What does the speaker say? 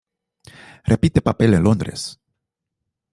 Repite papel en Londres.